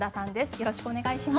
よろしくお願いします。